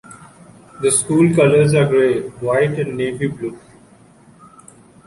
The school colors are gray, white, and navy blue.